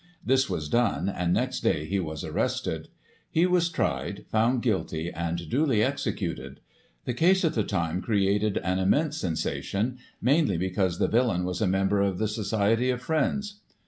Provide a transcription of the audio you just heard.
This was done, and, next day, he was arrested. He was tried, found guilty, and duly executed. The case, at the time, created an immense sensation, mainly because the villain was a member of the Society of Friends.